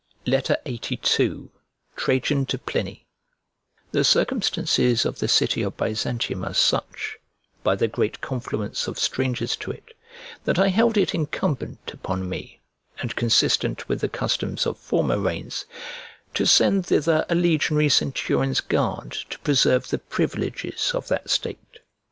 LXXXII TRAJAN TO PLINY THE circumstances of the city of Byzantium are such, by the great confluence of strangers to it, that I held it incumbent upon me, and consistent with the customs of former reigns, to send thither a legionary centurion's guard to preserve the privileges of that state.